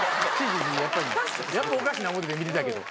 やっぱおかしいな思うて見てたけど。